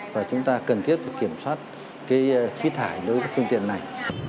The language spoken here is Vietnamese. và chúng ta cần thiết kiểm soát cái khí thải đối với các phương tiện này